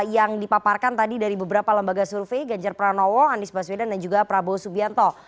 yang dipaparkan tadi dari beberapa lembaga survei ganjar pranowo anies baswedan dan juga prabowo subianto